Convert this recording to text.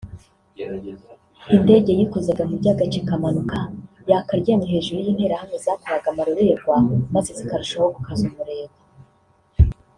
Indege yikozaga mu ry’agacu ikamanuka yakaryamye hejuru y’Interahamwe zakoraga amarorerwa maze zikarushaho gukaza umurego